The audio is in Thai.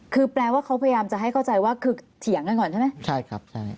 คือแปลว่าเขาพยายามจะให้เข้าใจว่าคือเถียงกันก่อนใช่ไหมใช่ครับใช่